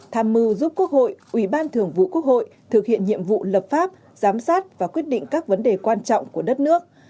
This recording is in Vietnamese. tham mưu giúp quốc hội ủy ban thường vụ quốc hội thực hiện nhiệm vụ lập pháp giám sát và quyết định các vấn đề quan trọng của đất nước